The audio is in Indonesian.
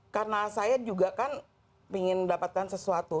karena saya juga kan ingin mendapatkan sesuatu